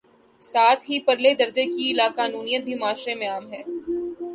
ساتھ ہی پرلے درجے کی لا قانونیت بھی معاشرے میں عام ہے۔